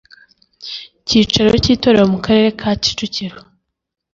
cyicaro cy itorero mu Karere ka Kicukiro